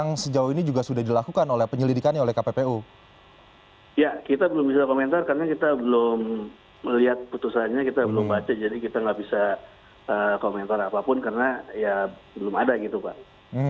jadi di saat ini juga kita belum bisa menentukan apapun